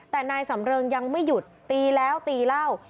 แต่นายสำเริงยังไม่หยุดตีแล้วตีเหล้า